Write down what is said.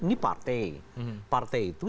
ini partai partai itu